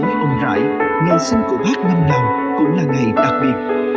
với ông rãi ngày sinh của bác năm nào cũng là ngày đặc biệt